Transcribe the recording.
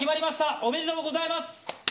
おめでとうございます。